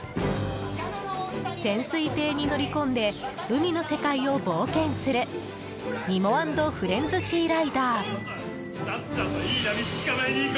潜水艇に乗り込んで海の世界を冒険する二モ＆フレンズ・シーライダー。